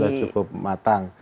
sudah cukup matang